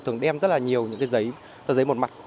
thường đem rất là nhiều giấy một mặt